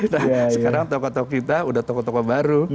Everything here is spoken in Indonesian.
nah sekarang toko toko kita sudah toko toko baru